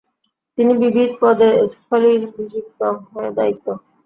তিনি বিবিধ পদে স্থলিভিশিক্ত হয়ে দায়িত্ব